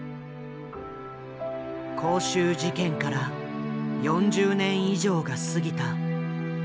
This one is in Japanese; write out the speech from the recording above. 光州事件から４０年以上が過ぎた。